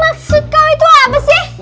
maksud kau itu apa sih